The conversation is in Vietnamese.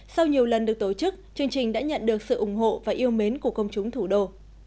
sau nhiều lần được tổ chức chương trình đã nhận được sự ủng hộ và yêu mến của công chúng thủ đô